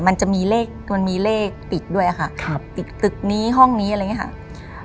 มันจะมีเลขมันมีเลขติดด้วยค่ะครับติดตึกนี้ห้องนี้อะไรอย่างนี้ค่ะ